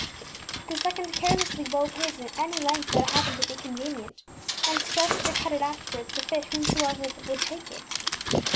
The second carelessly wove his any length that happened to be convenient, and stretched or cut it after ward to fit whomsoever would take it.